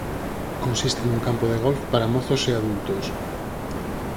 Consiste nun campo de golf para mozos e adultos.